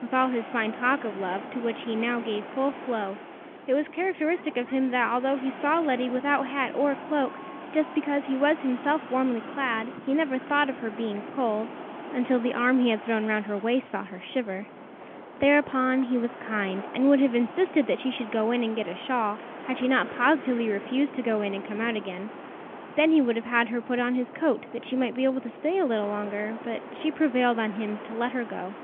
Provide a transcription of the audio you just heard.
With all his fine talk of love, to which he now gave full flow, it was characteristic of him that, although he saw Letty without hat or cloak, just because he was himself warmly clad, he never thought of her being cold, until the arm he had thrown round her waist felt her shiver. Thereupon he was kind, and would have insisted that she should go in and get a shawl, had she not positively refused to go in and come out again. Then he would have had her put on his coat, that she might be able to stay a little longer; but she prevailed on him to let her go.